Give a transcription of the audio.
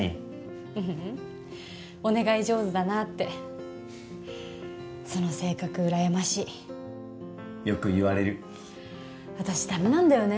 ううんお願い上手だなってその性格うらやましいよく言われる私ダメなんだよね